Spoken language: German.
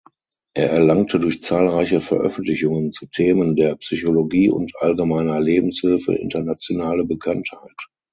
Er erlangte durch zahlreiche Veröffentlichungen zu Themen der Psychologie und allgemeiner Lebenshilfe internationale Bekanntheit.